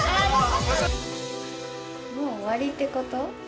もう終わりってこと？